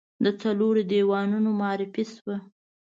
د څلورو دیوانونو معرفي شوه.